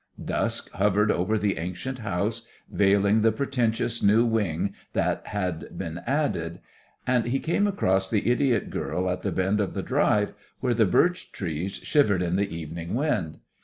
Dusk hovered over the ancient house, veiling the pretentious new wing that had been added. And he came across the idiot girl at the bend of the drive, where the birch trees shivered in the evening wind.